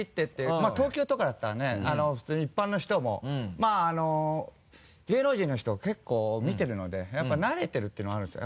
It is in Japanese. まぁ東京とかだったらね普通に一般の人もまぁあの芸能人の人を結構見てるのでやっぱり慣れてるっていうのがあるんですよ。